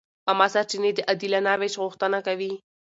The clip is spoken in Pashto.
عامه سرچینې د عادلانه وېش غوښتنه کوي.